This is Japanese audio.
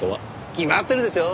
決まってるでしょ！